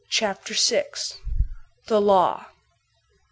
CHAPTER VI. The Law.